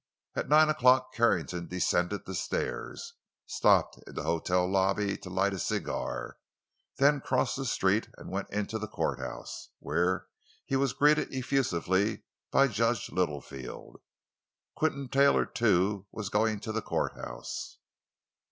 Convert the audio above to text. At nine o'clock Carrington descended the stairs, stopped in the hotel lobby to light a cigar; then crossed the street and went into the courthouse, where he was greeted effusively by Judge Littlefield. Quinton Taylor, too, was going to the courthouse.